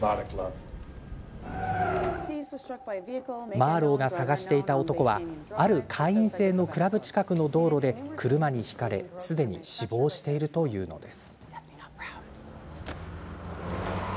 マーロウが捜していた男はある会員制のクラブ近くの道路で車に引かれ、すでに死亡しているというのです。